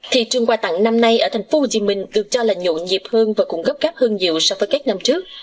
thị trường quà tặng năm nay ở thành phố hồ chí minh được cho là nhộn dịp hơn và cũng gấp gáp hơn nhiều so với các năm trước